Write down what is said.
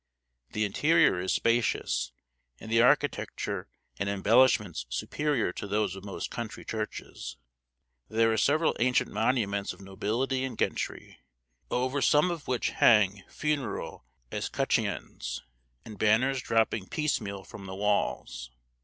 The interior is spacious, and the architecture and embellishments superior to those of most country churches. There are several ancient monuments of nobility and gentry, over some of which hang funeral escutcheons and banners dropping piecemeal from the walls.